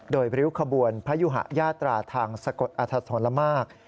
โดยริ้วขบวนพยุหะยาตราทางสะกดอธนมาก